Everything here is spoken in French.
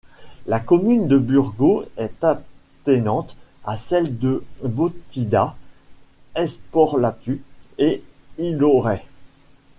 La commune de Burgos est attenante à celles de Bottidda, Esporlatu et Illorai.